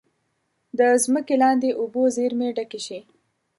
د ځمکې لاندې اوبو زیرمې ډکې شي.